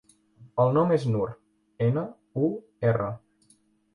El nom és Nur: ena, u, erra.